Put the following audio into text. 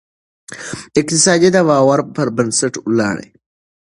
اقتصاد د باور پر بنسټ ولاړ دی.